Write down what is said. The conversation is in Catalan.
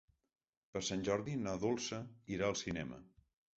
Per Sant Jordi na Dolça irà al cinema.